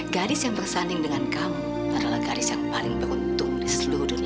gadis yang bersanding dengan kamu adalah garis yang paling beruntung di seluruh dunia